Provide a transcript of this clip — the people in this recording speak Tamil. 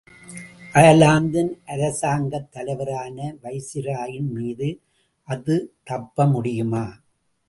அயர்லாந்தின் அரசாங்கத் தலைவரான வைசிராயின் மீது அது தப்பமுடியுமா?